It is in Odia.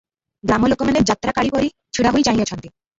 ଗ୍ରାମଲୋକମାନେ ଯାତ୍ରାକାଳୀପରି ଛିଡ଼ାହୋଇ ଚାହିଁଅଛନ୍ତି ।